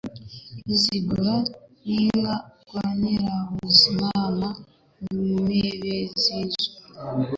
Ruzigura-nkiga rwa Nyirabazima na Mpibizinzo